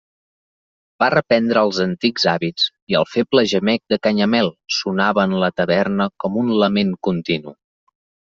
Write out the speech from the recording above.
Va reprendre els antics hàbits, i el feble gemec de Canyamel sonava en la taverna com un lament continu.